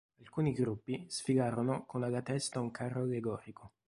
Alcuni gruppi sfilano con alla testa un carro allegorico.